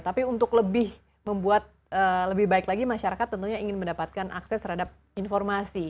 tapi untuk lebih membuat lebih baik lagi masyarakat tentunya ingin mendapatkan akses terhadap informasi